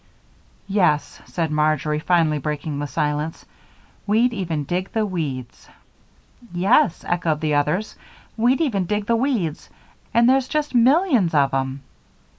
"Yes," said Marjory, finally breaking the silence. "We'd even dig the weeds." "Yes," echoed the others. "We'd even dig the weeds and there's just millions of 'em."